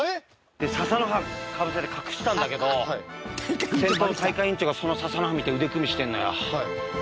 笹の葉かぶせて隠したんだけど先頭の大会委員長がその笹の葉見て腕組みしてるのよ。